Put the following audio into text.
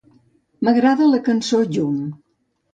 M'agrada la cançó "Jump".